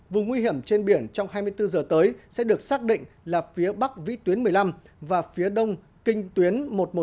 vùng nguy hiểm trên biển trong hai mươi bốn giờ tới sẽ được xác định là phía bắc vĩ tuyến một mươi năm và phía đông kinh tuyến một trăm một mươi một